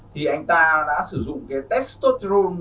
thì anh ta đã sử dụng cái testosterone